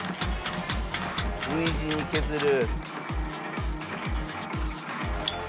Ｖ字に削る。